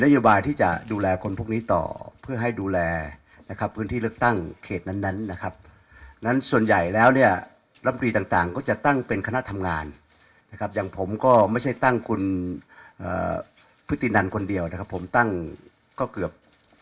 โยบายที่จะดูแลคนพวกนี้ต่อเพื่อให้ดูแลนะครับพื้นที่เลือกตั้งเขตนั้นนั้นนะครับนั้นส่วนใหญ่แล้วเนี่ยรับรีต่างก็จะตั้งเป็นคณะทำงานนะครับอย่างผมก็ไม่ใช่ตั้งคุณพฤตินันคนเดียวนะครับผมตั้งก็เกือบ